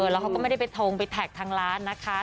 แล้วเขาก็ไม่ได้ไปทงไปแท็กทางร้านนะคะ